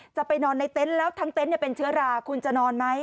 จะไปนอนในเต็นต์แล้วทั้งเต็นต์เป็นเชื้อราคุณจะนอนไหม